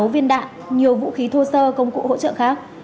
một trăm hai mươi sáu viên đạn nhiều vũ khí thô sơ công cụ hỗ trợ khác